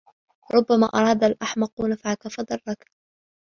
ربما أراد الأحمق نفعك فضرك